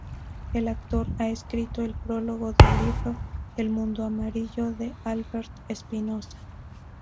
El actor ha escrito el prólogo del libro "El mundo amarillo" de Albert Espinosa.